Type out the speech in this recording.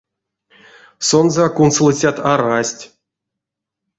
Сонзэ а кунсолыцят арасть.